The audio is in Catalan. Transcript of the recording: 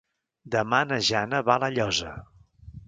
Demà na Jana va a La Llosa.